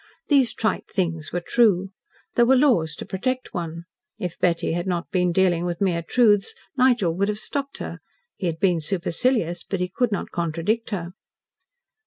These trite things were true. There were laws to protect one. If Betty had not been dealing with mere truths, Nigel would have stopped her. He had been supercilious, but he could not contradict her.